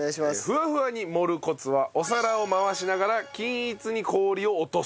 フワフワに盛るコツはお皿を回しながら均一に氷を落とす。